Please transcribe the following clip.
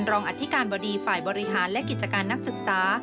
อธิการบดีฝ่ายบริหารและกิจการนักศึกษา